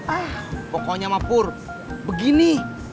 ah pokoknya sama pur begini